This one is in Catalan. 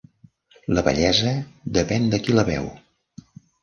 La bellesa depèn de qui la veu.